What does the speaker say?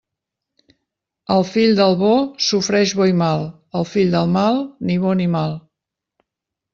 El fill del bo sofreix bo i mal; el fill del mal, ni bo ni mal.